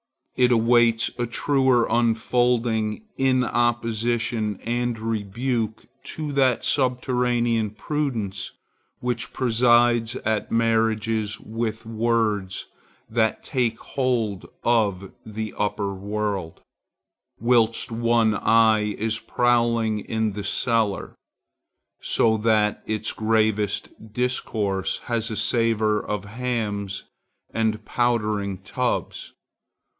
It awaits a truer unfolding in opposition and rebuke to that subterranean prudence which presides at marriages with words that take hold of the upper world, whilst one eye is prowling in the cellar; so that its gravest discourse has a savor of hams and powdering tubs.